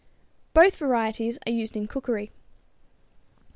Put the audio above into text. Both varieties are used in cookery.